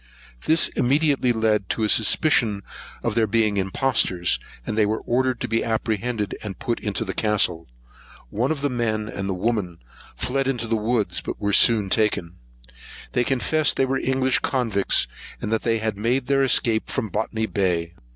This immediately led to a suspicion of their being impostors; and they were ordered to be apprehended, and put into the castle. One of the men, and the woman, fled into the woods; but were soon taken. They confessed they were English convicts, and that they had made their escape from Botany Bay.